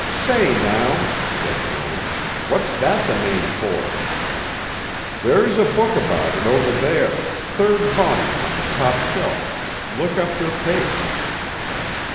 "Say, now," said Joan, "what's that the name for?" "There's a book about it over there third volume on the top shelf look up your case."